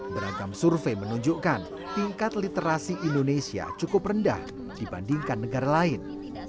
beragam survei menunjukkan tingkat literasi indonesia cukup rendah dibandingkan negara lain